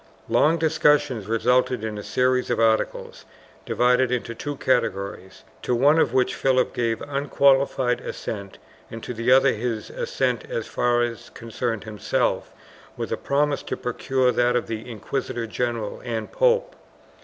Long discussions resulted in a series of articles, divided into two categories, to one of which Philip gave unqualified assent and to the other his assent as far as concerned himself, with a promise to procure that of the inquisitor general and pope.